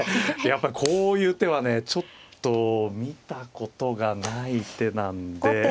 やっぱりこういう手はねちょっと見たことがない手なんで。